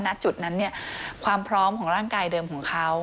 ณจุดนั้นเนี่ยความพร้อมของร่างกายเดิมของเขา